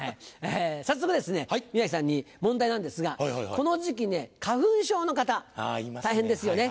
早速ですね宮治さんに問題なんですがこの時期ね花粉症の方大変ですよね。